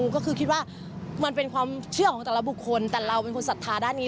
ก็คือคิดว่ามันเป็นความเชื่อของแต่ละบุคคลแต่เราเป็นคนศรัทธาด้านนี้